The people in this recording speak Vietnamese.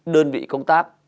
đơn vị công tác